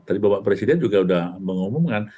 tadi bapak presiden juga sudah mengumumkan